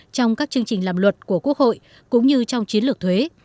trong các chương trình làm luật của quốc hội cũng như trong chiến lược thuế